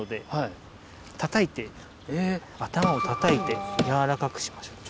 たたいて頭をたたいて柔らかくしましょう。